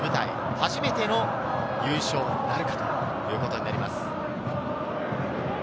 初めての優勝なるかということになります。